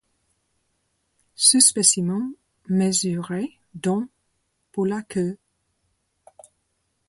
Ce spécimen mesurait dont pour la queue.